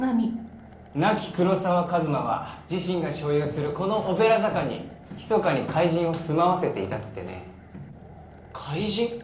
亡き黒沢和馬は自身が所有するこのオペラ座館にひそかに怪人をすまわせていたってね。怪人？